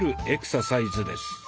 エクササイズです。